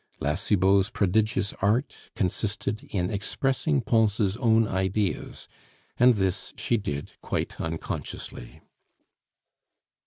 La Cibot's prodigious art consisted in expressing Pons' own ideas, and this she did quite unconsciously.